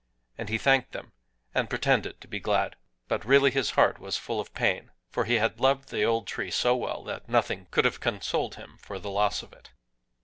And he thanked them, and pretended to be glad. But really his heart was full of pain; for he had loved the old tree so well that nothing could have consoled him for the loss of it.